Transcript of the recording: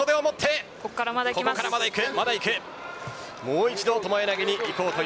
まだ行く。